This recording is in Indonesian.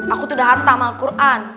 aku tuh udah hanta mal quran